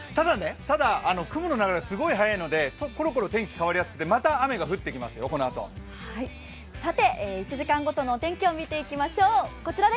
ただ、雲の流れがすごい速いのでころころ天気が変わりやすくてまた雨が降ってきますよ、このあと１時間ごとのお天気を見ていきましょう。